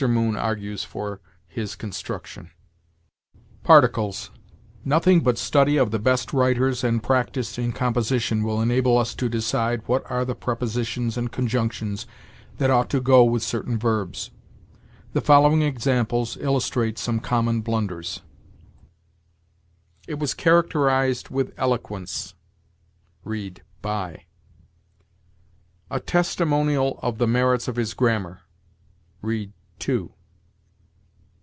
Moon argues for his construction. PARTICLES. "Nothing but study of the best writers and practice in composition will enable us to decide what are the prepositions and conjunctions that ought to go with certain verbs. The following examples illustrate some common blunders: "'It was characterized with eloquence': read, 'by.' "'A testimonial of the merits of his grammar': read, 'to.'